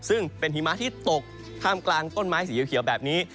ซึ่งเป็นหิมะที่ตกท่ามกลางต้นไม้สีเขียวแบบนี้